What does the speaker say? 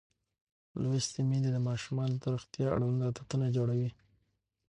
لوستې میندې د ماشومانو د روغتیا اړوند عادتونه جوړوي.